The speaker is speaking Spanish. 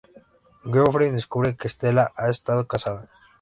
Geoffrey descubre que Stella ha estado casada.